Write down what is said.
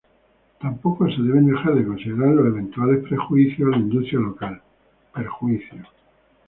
Tampoco se deben dejar de considerar los eventuales perjuicios a la industria local.